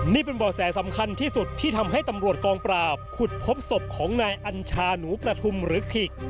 นี่เป็นบ่อแสสำคัญที่สุดที่ทำให้ตำรวจกองปราบขุดพบศพของนายอัญชาหนูประทุมหรือขิก